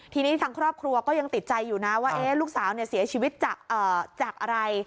ทีนี้ทางครอบครัวก็ยังติดใจอยู่นะว่าลูกสาวเสียชีวิตจากอะไร